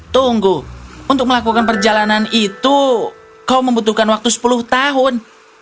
tunggu untuk melakukan perjalanan itu kau membutuhkan waktu sepuluh tahun